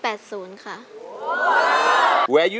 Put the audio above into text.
เพื่อนรักไดเกิร์ต